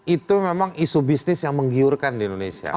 itu memang isu bisnis yang menggiurkan di indonesia